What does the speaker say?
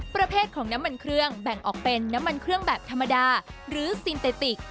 ประเภทของน้ำมันเครื่องแบ่งออกเป็นน้ำมันเครื่องแบบธรรมดาหรือซินเตติก